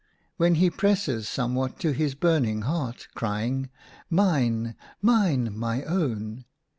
When he presses somewhat to his burning heart, crying, ' Mine, mine, my own